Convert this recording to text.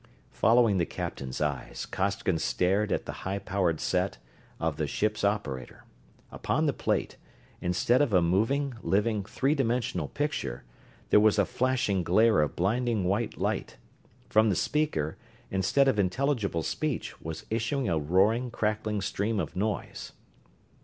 Following the captain's eyes, Costigan stared at the high powered set of the ship's operator. Upon the plate, instead of a moving, living, three dimensional picture, there was a flashing glare of blinding white light; from the speaker, instead of intelligible speech, was issuing a roaring, crackling stream of noise.